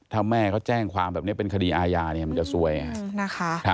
ถ้าแม่เขาแจ้งความแบบนี้เป็นคดีอาญาเนี่ยมันจะซวยนะคะ